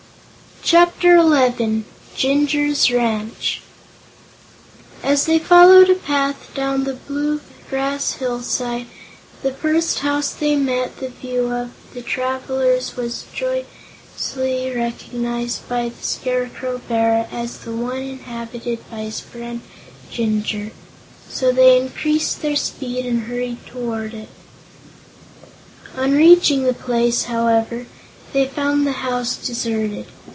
Chapter Eleven Jinjur's Ranch As they followed a path down the blue grass hillside, the first house that met the view of the travelers was joyously recognized by the Scarecrow Bear as the one inhabited by his friend Jinjur, so they increased their speed and hurried toward it. On reaching the place, how ever, they found the house deserted.